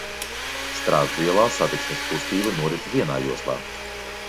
Strazdu ielā satiksmes kustība norit vienā joslā.